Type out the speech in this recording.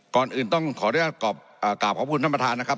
ก่อนอื่นต้องขออนุญาตกราบขอบคุณท่านประธานนะครับ